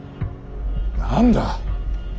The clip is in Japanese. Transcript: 何だ。